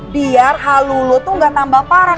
biar hal lulu tuh gak tambah parah